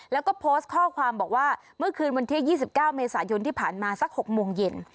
แล้วก็โพสต์ข้อความบอกว่าเมื่อคืนวันที่๒๙เมษายนที่ผ่านมาสัก๖โมงเย็น